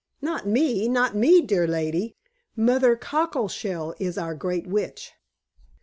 "Not me not me, dear lady. Mother Cockleshell is our great witch."